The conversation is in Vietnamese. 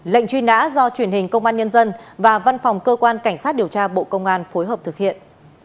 lệnh truy nã do truyền hình công an nhân dân và văn phòng cơ quan cảnh sát điều tra bộ công an phối hợp thực hiện